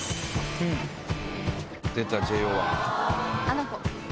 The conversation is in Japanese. あの子。